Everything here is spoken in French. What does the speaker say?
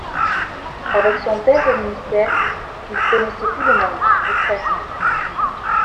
Avec son père au Ministère, il connaissait tout le monde ou presque.